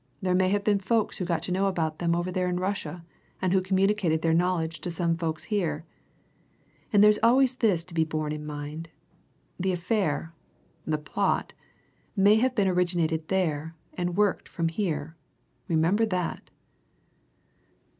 There may have been folks who got to know about them over there in Russia and who communicated their knowledge to some folks here. And there's always this to be borne in mind the affair, the plot, may have been originated there, and worked from there. Remember that!"